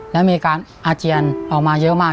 แล้วมีอาการอาเจียนออกมาเยอะมาก